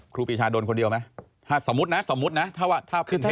ครูปีชาโดนคนเดียวไหมสมมุตินะสมมุตินะ